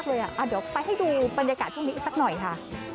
เดี๋ยวไปให้ดูบรรยากาศช่วงนี้อีกสักหน่อยค่ะ